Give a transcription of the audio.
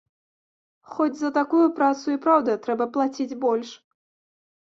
Хоць за такую працу і праўда трэба плаціць больш.